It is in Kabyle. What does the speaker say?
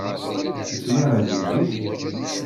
Tettmahal yelli-k?